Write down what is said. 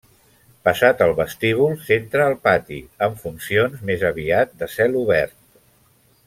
Passat el vestíbul s'entra al pati, amb funcions més aviat de celobert.